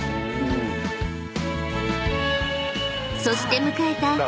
［そして迎えた］